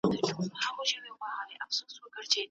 منظومه ترجمه: عبدالباري جهاني